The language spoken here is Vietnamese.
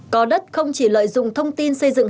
có đất không chỉ lợi dụng thông tin xây dựng